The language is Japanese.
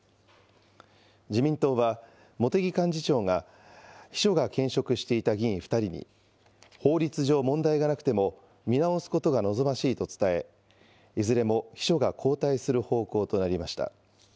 自民党は茂木幹事長が、秘書が兼職していた議員２人に、法律上問題がなくても、見直すことが望ましいと伝え、いずれも秘書が交代する方向となりました。